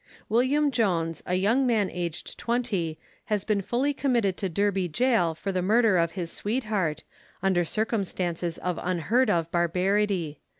William Jones, a young man aged 20, has been fully committed to Derby gaol for the murder of his sweetheart, under circumstances of unheard of barbarity.